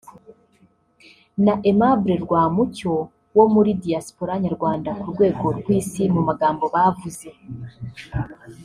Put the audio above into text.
na Aimable Rwamucyo wo muri Diaspora Nyarwanda ku rwego rw’isi mu magambo bavuze